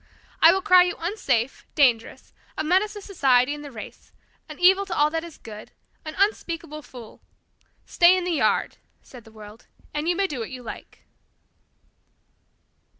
I will cry you unsafe, dangerous, a menace to society and the race, an evil to all that is good, an unspeakable fool. Stay in the yard," said the world, "and you may do what you like."